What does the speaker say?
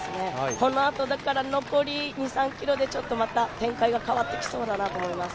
このあと、残り２３ｋｍでちょっとまた展開が変わってきそうだなと思います。